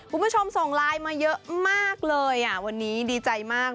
คุณผู้ชมส่งไลน์มาเยอะมากเลยอ่ะวันนี้ดีใจมาก